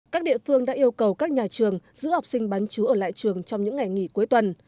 các địa phương đã yêu cầu các nhà trường giữ học sinh bán chú ở lại trường trong những ngày nghỉ cuối tuần